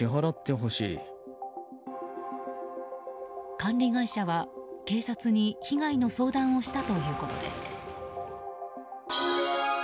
管理会社は、警察に被害の相談をしたということです。